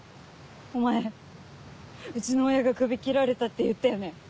お前うちの親が首切られたって言ったよね？